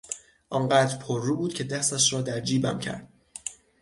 آنقدر پررو بود که دستش را در جیبم کرد.